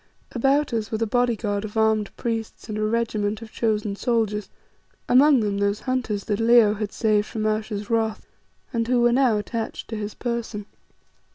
About us were a bodyguard of armed priests and a regiment of chosen soldiers, among them those hunters that Leo had saved from Ayesha's wrath, and who were now attached to his person.